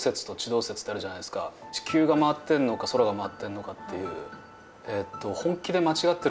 地球が回ってんのか空が回ってんのかっていう。